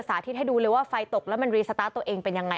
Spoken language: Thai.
สาธิตให้ดูเลยว่าไฟตกแล้วมันรีสตาร์ทตัวเองเป็นยังไง